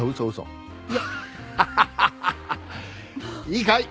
いいかい？